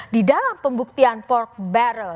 di dalam pembuktian port barrel